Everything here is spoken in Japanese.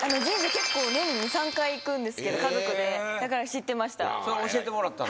結構年に２３回行くんですけど家族でだから知ってました教えてもらったん？